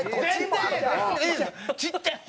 ちっちゃい？